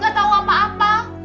gak tahu apa apa